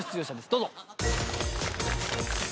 どうぞ。